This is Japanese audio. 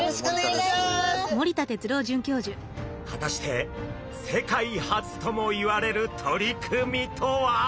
果たして世界初ともいわれる取り組みとは？